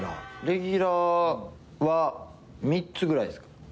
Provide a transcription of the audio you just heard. レギュラーは３つぐらいです。